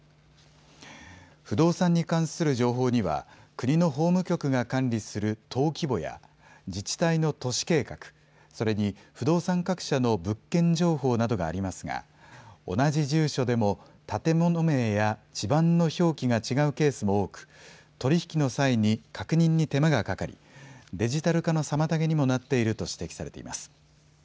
不動産に関する情報には国の法務局が管理する登記簿や自治体の都市計画、それに不動産各社の物件情報などがありますが同じ住所でも建物名や地番の表記が違うケースも多く、取り引きの際に確認に手間がかかりデジタル化の妨げにもなっていると指摘されています。